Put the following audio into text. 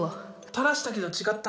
たらしたけど違った？